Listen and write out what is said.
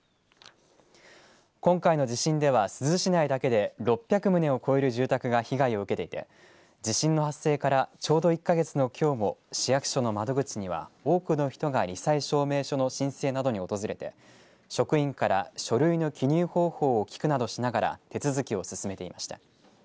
今回の地震では珠洲市内だけで６００棟を超える住宅が被害を受けていて地震の発生からちょうど１か月のきょうも市役所の窓口には多くの人がり災証明書の申請などに訪れて職員から書類の記入方法を聞くなどしながら手続きを進めていました。